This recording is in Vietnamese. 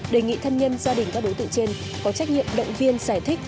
đề nghị thân nhân gia đình các đối tượng trên có trách nhiệm động viên giải thích